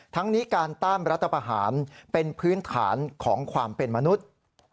ทั้งนี้การต้านรัฐประหารเป็นพื้นฐานของความเป็นมนุษย์